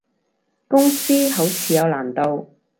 公司好似有難度